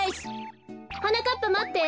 はなかっぱまって。